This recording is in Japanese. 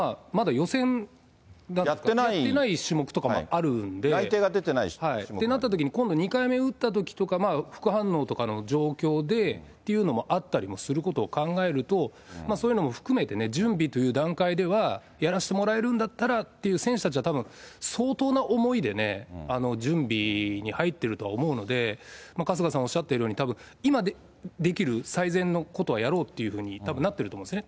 内定が出ていない種目が。ってなったときに、今度２回目打ったときとか、副反応とかの状況でっていうのもあったりすることを考えると、そういうのも含めて、準備という段階では、やらしてもらえるんだったらっていう、選手たちはたぶん、相当な思いでね、準備に入ってるとは思うので、春日さんおっしゃっているように、たぶん、今できる最善のことはやろうっていうふうにたぶんなってると思うんですね。